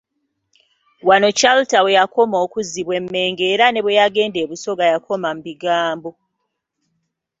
Wano Chalter weyakoma okkuzibwa e Mengo era ne bwe yagenda e Busoga yakoma mu bigambo.